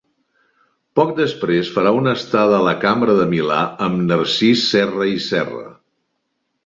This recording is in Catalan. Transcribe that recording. Poc després farà una estada a la Cambra de Milà amb Narcís Serra i Serra.